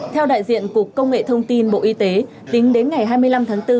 theo đại diện cục công nghệ thông tin bộ y tế tính đến ngày hai mươi năm tháng bốn